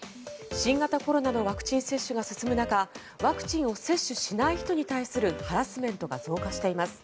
新型コロナのワクチン接種が進む中ワクチンを接種しない人に対するハラスメントが増加しています。